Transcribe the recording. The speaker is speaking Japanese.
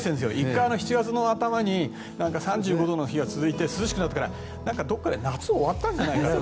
１回７月の半ばに３５度の日が続いて涼しくなってからどこかで夏が終わったんじゃないかと。